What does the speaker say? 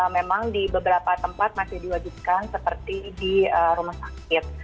memang di beberapa tempat masih diwajibkan seperti di rumah sakit